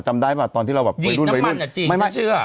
จำได้ป่ะตอนที่เราแบบโดยรุ่นโดยรุ่น